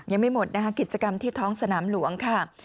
ยังไม่หมดนะคะกิจกรรมที่ท้องสนามหลวงค่ะ